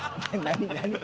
何？